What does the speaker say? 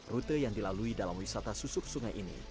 rute yang dilalui dalam wisata susuk sungai ini